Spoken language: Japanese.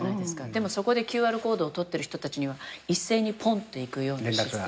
でもそこでＱＲコードを取ってる人たちには一斉にぽんっていくような。